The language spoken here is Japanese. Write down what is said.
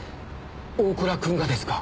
大倉くんがですか？